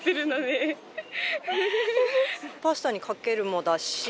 パスタにかけるもだし